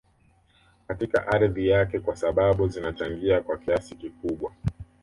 Katika ardhi yake kwa sababu zinachangia kwa kiasi kikubwa